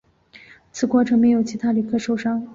此过程没有其他旅客受伤。